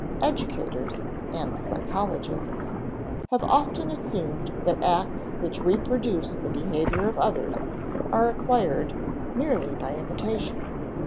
Educators (and psychologists) have often assumed that acts which reproduce the behavior of others are acquired merely by imitation.